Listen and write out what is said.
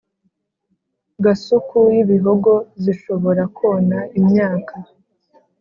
Gasuku y ibihogo Zishobora kona imyaka